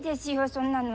そんなの。